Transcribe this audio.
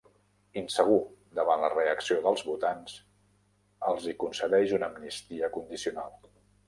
Insegur davant la reacció dels votants, els hi concedeix una amnistia condicional.